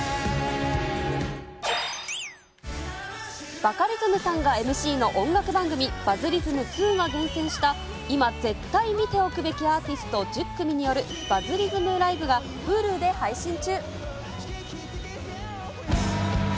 バカリズムさんがＭＣの音楽番組、バズリズム０２が厳選した、今、絶対見ておくべきアーティスト１０組によるバズリズムＬＩＶＥがＨｕｌｕで配信中。